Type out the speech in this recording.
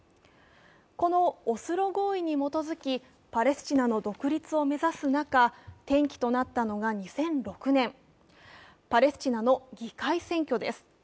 このオスロ合意に基づきパレスチナの独立を目指す中、転機となったのが２００６年、パレスチナの議会選挙です。